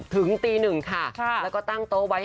ถึงตี๑ค่ะแล้วก็ตั้งโตไว้